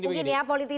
nanti kita bahas lagi